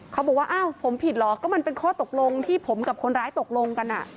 เขาบอกว่าอ้าวผมผิดเหรอก็มันเป็นข้อตกลงที่ผมกับคนร้ายตกลงกัน